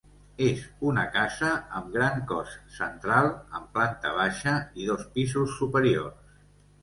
És una casa amb gran cos central amb planta baixa i dos pisos superiors.